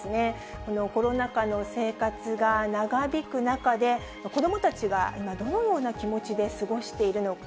このコロナ禍の生活が長引く中で、子どもたちが今、どのような気持ちで過ごしているのか。